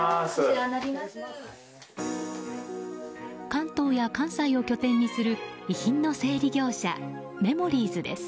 関東や関西を拠点にする遺品の整理業者メモリーズです。